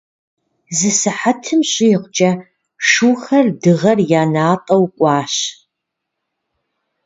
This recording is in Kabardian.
Зы сыхьэтым щӀигъукӀэ шухэр дыгъэр я натӀэу кӀуащ.